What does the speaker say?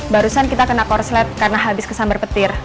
barusan kita kena korslet karena habis kesam berpetir